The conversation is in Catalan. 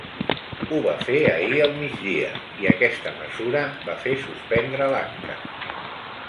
Ho va fer ahir al migdia, i aquesta mesura va fer suspendre l’acte.